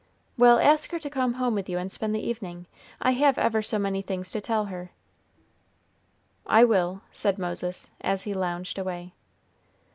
"Well, ask her to come home with you and spend the evening. I have ever so many things to tell her." "I will," said Moses, as he lounged away.